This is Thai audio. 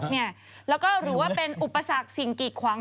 เนี่ยรู้ว่าเป็นอุปสรรคสิ่งกักควั้ง